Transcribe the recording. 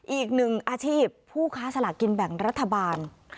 อีกหนึ่งอาชีพผู้ค้าสลากกินแบ่งรัฐบาล